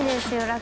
楽。